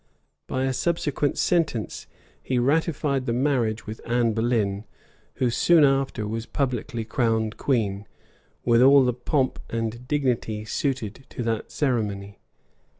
By a subsequent sentence, he ratified the marriage with Anne Boleyn, who soon after was publicly crowned queen, with all the pomp and dignity suited to that ceremony.